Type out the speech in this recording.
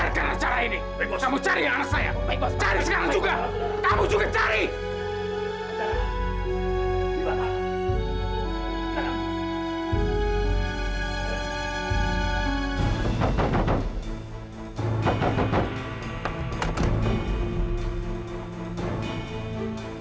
itu bukan air yang shaywar nighttime lama angkat